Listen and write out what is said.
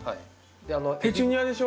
ペチュニアでしょ？